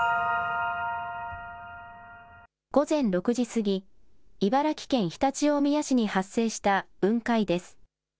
午前６時過ぎ、茨城県常陸大宮市に発生した雲海です。